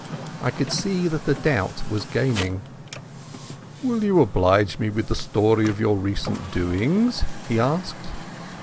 I could see that the doubt was gaining. "Will you oblige me with the story of your recent doings?" he asked.